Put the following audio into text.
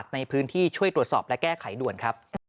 ในพื้นที่ช่วยตรวจสอบและแก้ไขด่วนครับ